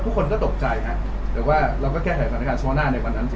ทุกคนก็ตกใจครับแต่ว่าเราก็แค่ถ่ายสถานการณ์ชั่วหน้าในวันนั้นเฉย